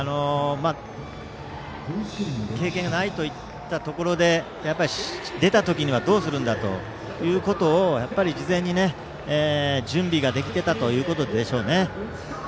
経験がないといったところで出た時どうするんだということを事前に準備ができていたということでしょう。